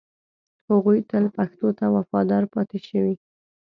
هغوی تل پښتو ته وفادار پاتې شوي